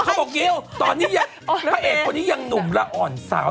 เธอเขาบอกยิ้วตอนนี้พระเอกคนนี้ยังหนุ่มละอ่อนสาว